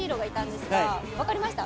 「分かりました？」